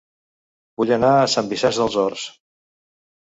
Vull anar a Sant Vicenç dels Horts